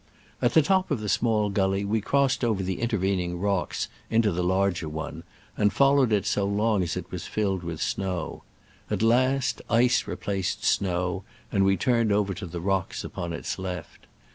At the top of the small gully we cross ed oVer the intervening rocks into the large one, and followed it so long as it was filled with snow. At last ice re placed snow, and we turned over to the rocks upon its left.